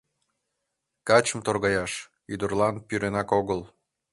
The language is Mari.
— Качым торгаяш — ӱдырлан пӱренак огыл!